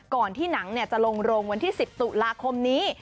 ที่หนังจะลงโรงวันที่๑๐ตุลาคมนี้